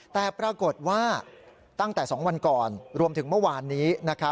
แต่ปรากฏว่าตั้งแต่๒วันก่อนรวมถึงเมื่อวานนี้